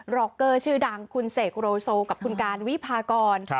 ร็อกเกอร์ชื่อดังคุณเสกโรโซกับคุณการวิพากร